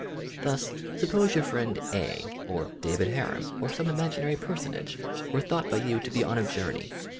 Thus, suppose your friend "A" or David Ha rum, or some imaginary personage, were thought by you to be on a journey.